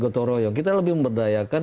gotoroyong kita lebih memberdayakan